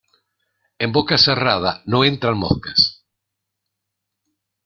En boca cerrada no entran moscas.